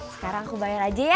sekarang aku bayar aja ya